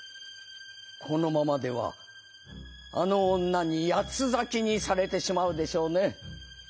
このままではあの女に八つ裂きにされてしまうでしょうね。